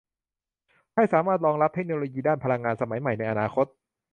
ให้สามารถรองรับเทคโนโลยีด้านพลังงานสมัยใหม่ในอนาคต